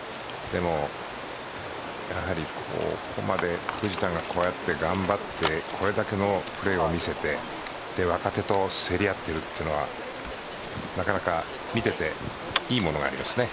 でも、やはり、ここまで藤田がこうやって頑張ってこれだけのプレーを見せて若手と競り合っているというのはなかなか見ていていいものがありますね。